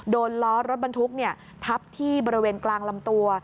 ล้อรถบรรทุกทับที่บริเวณกลางลำตัว